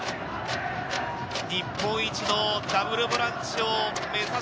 日本一のダブルボランチを目指す